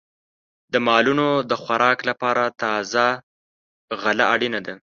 د مالونو د خوراک لپاره تازه غله اړینه ده.